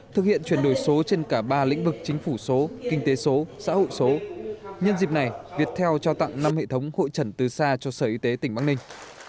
thực hiện chuyển đổi số trên cả ba lĩnh vực chính phủ số kinh tế số xã hội số nhân dịp này việt theo trao tặng năm hệ thống hội trần từ xa cho sở y tế tỉnh bắc ninh